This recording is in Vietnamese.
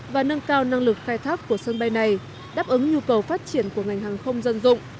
và nâng cao năng lực khai thác của sân bay này đáp ứng nhu cầu phát triển của ngành hàng không dân dụng